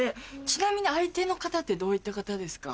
ちなみに相手の方ってどういった方ですか？